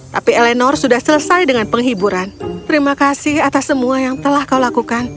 tapi elenor sudah selesai dengan penghiburan terima kasih atas semua yang telah kau lakukan